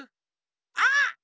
あっ！